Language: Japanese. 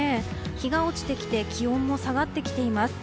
日が落ちてきて気温も下がってきています。